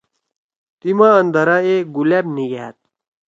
تیما اندارہ اے گلأم نیگھأد۔